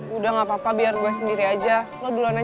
jangan pernah ganggu perempuan lagi